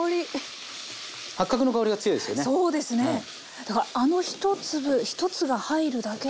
だからあの１粒１つが入るだけで。